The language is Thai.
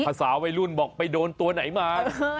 ภาษาวัยรุ่นบอกไปโดนตัวไหนมา